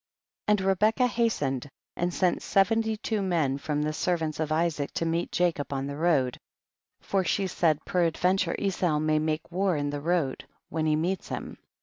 71. And Rebecca hastened and sent seventy two men from the ser vants of Isaac to meet Jacob on the road ; for she said, peradventure, Esau may make war in the road when he meets him.